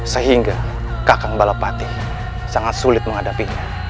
sehingga kakang balapati sangat sulit menghadapinya